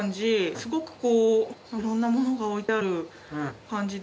すごくいろんなものが置いてある感じで。